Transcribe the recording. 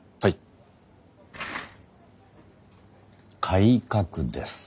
改革です。